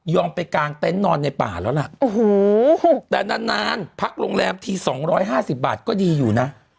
ไปกางเต็นต์นอนในป่าแล้วล่ะโอ้โหแต่นานนานพักโรงแรมที๒๕๐บาทก็ดีอยู่นะ